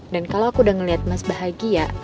dan kalo aku udah ngeliat mas bahagia